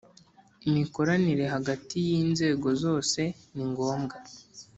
imikoranire hagati y inzego zose ningombwa.